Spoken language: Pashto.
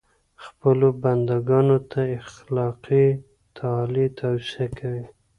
خپلو بنده ګانو ته اخلاقي تعالي توصیه کوي.